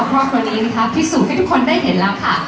ขอบคุณครับ